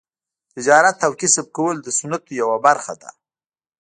تجارت او کسب کول د سنتو یوه برخه ده.